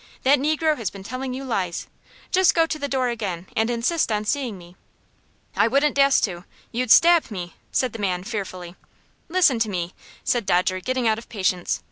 That negro has been telling you lies. Just go to the door again, and insist on seeing me." "I wouldn't dast to. You'd stab me," said the man, fearfully. "Listen to me!" said Dodger, getting out of patience.